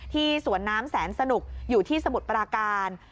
สวนน้ำแสนสนุกอยู่ที่สมุทรปราการ